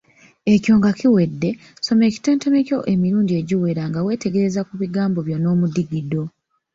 Ekyo nga kiwedde, soma ekitontome kyo emirundi egiwera nga wetegereza ku bigambo byo n’omudigido.